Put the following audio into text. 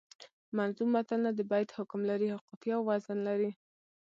منظوم متلونه د بیت حکم لري او قافیه او وزن لري